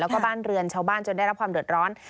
แล้วก็บ้านเรือนชาวบ้านจนได้รับความเดือดร้อน